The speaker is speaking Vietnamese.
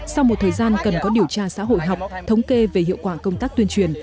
sau một thời gian cần có điều tra xã hội học thống kê về hiệu quả công tác tuyên truyền